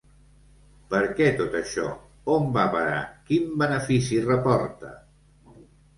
¿Per què tot això?, ¿on va a parar?, ¿quin benefici reporta?